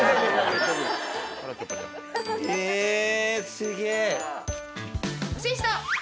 すげえ。